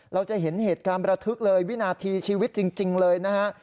เราจะเห็นเหตุการณ์ประทึกเลยวินาทีชีวิตจริงเลยนะฮะ